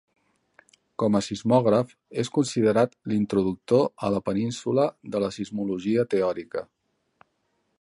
Com a sismògraf, és considerat l'introductor a la península de la sismologia teòrica.